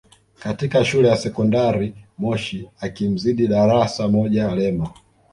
katika Shule ya Sekondari Moshi akimzidi darasa moja Lema